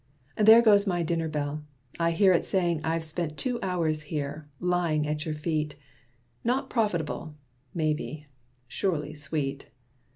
There goes my dinner bell! I hear it saying I've spent two hours here, lying at your feet, Not profitable, maybe surely sweet.